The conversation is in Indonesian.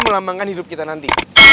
memang kan hidup kita nanti